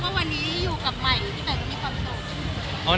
ก็ว่าวันนี้อยู่กับหมายพี่แต่ก็มีความสุข